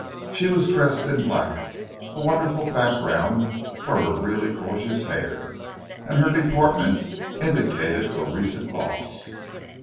She was dressed in black, a wonderful background for her really gorgeous hair, and her deportment indicated a recent loss.